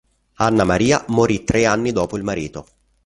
Anna Maria morì tre anni dopo il marito.